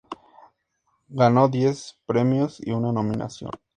Ganó diez premios y una nominación.